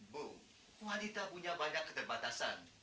bu wanita punya banyak keterbatasan